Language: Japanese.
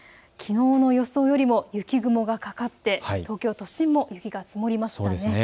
きのうの予想よりも雪雲がかかって東京都心も雪が積もりました。